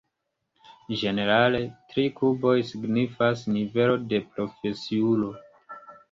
Ĝenerale, tri kuboj signifas nivelon de profesiulo.